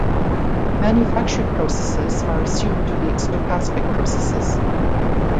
Manufacturing processes are assumed to be stochastic processes.